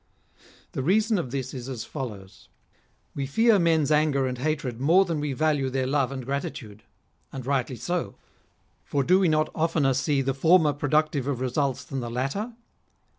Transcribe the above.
The reason of this is as follows : we fear men's anger and hatred more than we value their love and gratitude. And rightly so. For do we not of tener see the former productive of results than the latter